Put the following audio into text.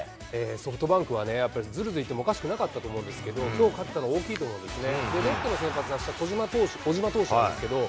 ソフトバンクはね、やっぱりずるずるいってもおかしくなかったと思うんですけど、きょう勝てたのは大きいと思うんですね。